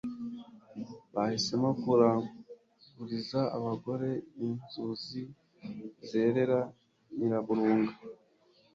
bahisemo kuraguriza abagore, inzuzi zerera Nyiraburunga